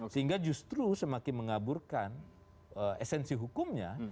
sehingga justru semakin mengaburkan esensi hukumnya